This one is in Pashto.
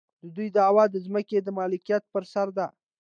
د دوی دعوه د ځمکې د ملکیت پر سر ده.